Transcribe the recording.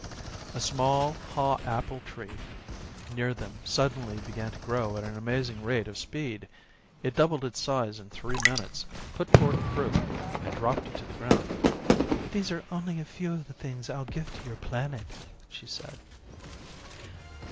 A small haw apple tree near them suddenly began to grow at an amazing rate of speed. It doubled its size in three minutes, put forth fruit and dropped it to the ground. "These are only a few of the things I'll give to your planet," she said.